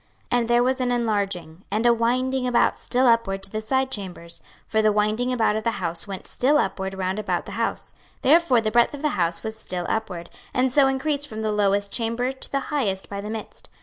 26:041:007 And there was an enlarging, and a winding about still upward to the side chambers: for the winding about of the house went still upward round about the house: therefore the breadth of the house was still upward, and so increased from the lowest chamber to the highest by the midst.